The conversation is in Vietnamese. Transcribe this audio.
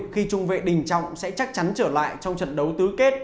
khi trung vệ đình trọng sẽ chắc chắn trở lại trong trận đấu tứ kết